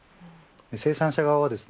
生産者側はですね